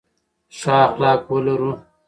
ښه اخلاق ولرو.